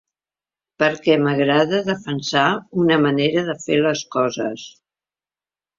Perquè m’agrada defensar una manera de fer les coses.